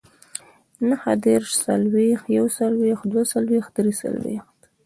نههدېرش، څلوېښت، يوڅلوېښت، دوهڅلوېښت، دريڅلوېښت